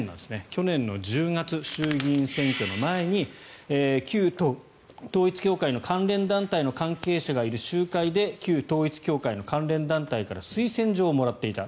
去年の１０月、衆議院選挙の前に旧統一教会の関連団体の関係者がいる集会で旧統一教会の関連団体から推薦状をもらっていた。